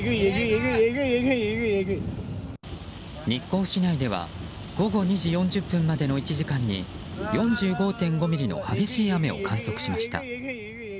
日光市内では午後２時４０分までの１時間に４５．５ミリの激しい雨を観測しました。